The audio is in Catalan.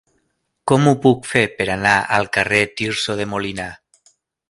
Com ho puc fer per anar al carrer de Tirso de Molina?